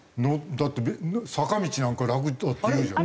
だって坂道なんか楽だっていうじゃない。